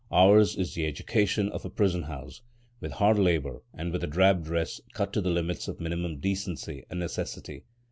Ours is the education of a prison house, with hard labour and with a drab dress cut to the limits of minimum decency and necessity.